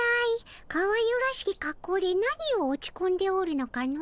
かわゆらしきかっこうで何を落ちこんでおるのかの？